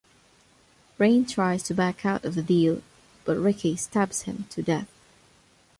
Reign tries to back out of the deal but Ricky stabs him to death.